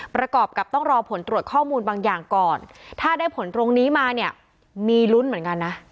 ประกอบกับต้องรอผลตรวจข้อมูลบางอย่างก่อนถ้าได้ผลตรงนี้มาเนี่ยมีลุ้นเหมือนกันนะ